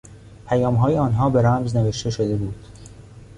پیامهای آنها به رمز نوشته بود.